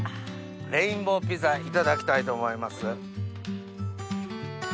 レインボーピザいただきたいと思います。